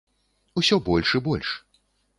Усё больш і больш.